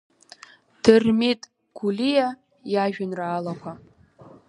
Дырмит Гәлиа иажәеинраалақәа.